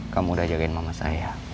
kamu udah jagain mama saya